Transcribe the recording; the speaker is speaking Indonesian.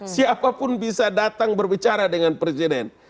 siapapun bisa datang berbicara dengan presiden